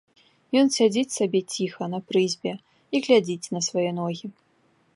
Ён сядзіць сабе ціха на прызбе і глядзіць на свае ногі.